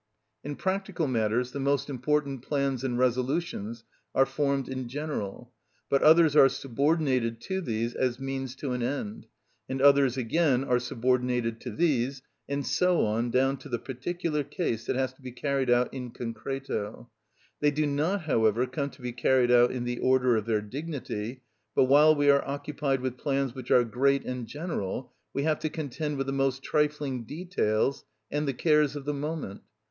In practical matters the most important plans and resolutions are formed in general; but others are subordinated to these as means to an end, and others again are subordinated to these, and so on down to the particular case that has to be carried out in concreto. They do not, however, come to be carried out in the order of their dignity, but while we are occupied with plans which are great and general, we have to contend with the most trifling details and the cares of the moment.